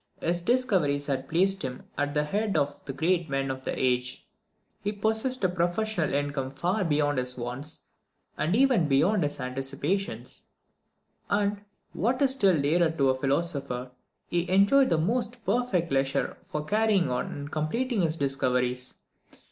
His discoveries had placed him at the head of the great men of the age; he possessed a professional income far beyond his wants, and even beyond his anticipations; and, what is still dearer to a philosopher, he enjoyed the most perfect leisure for carrying on and completing his discoveries.